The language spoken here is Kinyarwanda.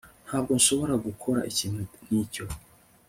ntabwo nshobora gukora ikintu nkicyo